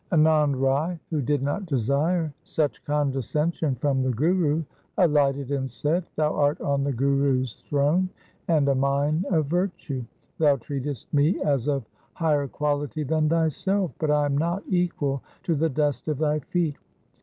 1 Anand Rai, who did not desire such condescension from the Guru, alighted and said, ' Thou art on the Guru's throne and a mine of virtue. Thou treatest me as of higher dignity than thyself, but I am not equal to the dust of thy feet.